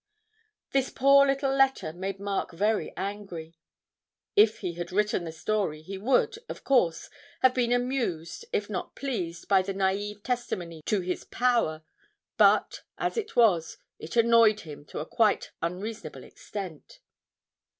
This poor little letter made Mark very angry; if he had written the story he would, of course, have been amused if not pleased by the naïve testimony to his power; but, as it was, it annoyed him to a quite unreasonable extent.